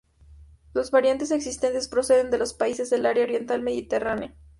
Las variedades existentes proceden de los países del área Oriental Mediterránea.